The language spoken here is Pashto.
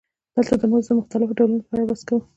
دلته د مزد د مختلفو ډولونو په اړه بحث کوو